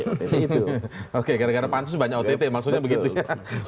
oke gara gara pansus banyak ott maksudnya begitu ya